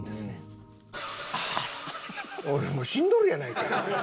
おいもう死んどるやないかい！